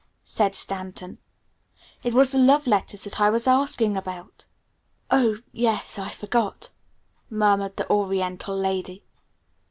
said Stanton. "It was the love letters that I was asking about." "Oh, yes, I forgot," murmured the oriental lady.